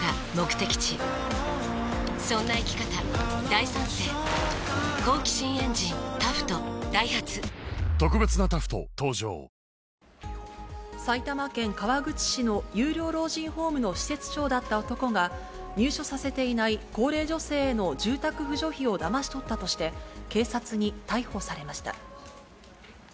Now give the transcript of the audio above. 対局後、埼玉県川口市の有料老人ホームの施設長だった男が、入所させていない高齢女性への住宅扶助費をだまし取ったとして、警察に逮捕されました。